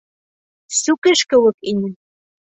Сүкеш кеүек ине.